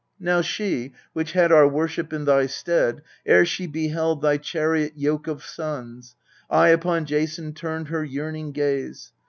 Now she which had our worship in thy stead, Ere she beheld thy chariot yoke of sons, Aye upon Jason turned her yearning gaze.